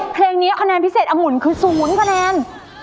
เพลงนี้คำแนะพิเศษอังุ่นคือสูงวุ้นแค่๐คะแนน